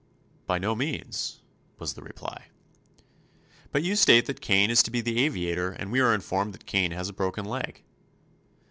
"By no means," was the reply. "But you state that Kane is to be the aviator, and we are informed that Kane has a broken leg."